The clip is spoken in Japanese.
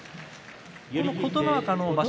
琴ノ若の場所